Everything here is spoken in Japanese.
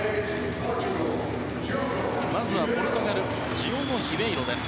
まずはポルトガルジオゴ・ヒベイロです。